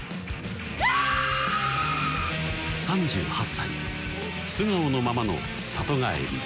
３８歳素顔のままの里帰り